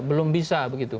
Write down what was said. belum bisa begitu